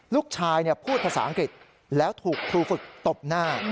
ลูกชายพูดภาษาอังกฤษแล้วถูกครูฝึกตบหน้า